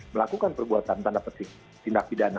melakukan perbuatan tanda petik tindak pidana